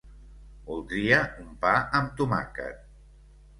Voldria un pa amb tomàquet.